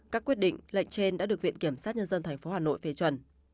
các quyết định lệnh trên đã được viện kiểm sát nhân dân tp hà nội phê chuẩn